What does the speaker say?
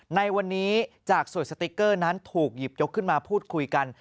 ในวันนี้จากสวยสติ๊กเกอร์นั้นถูกหยิบยกขึ้นมาพูดคุยกัน